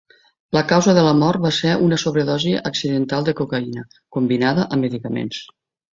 La causa de la mort va ser una sobredosi accidental de cocaïna combinada amb medicaments.